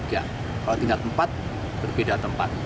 kalau tingkat empat berbeda tempat